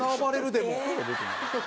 でも」